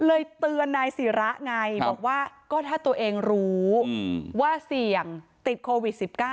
เลยเตือนนายศิระไงบอกว่าก็ถ้าตัวเองรู้ว่าเสี่ยงติดโควิด๑๙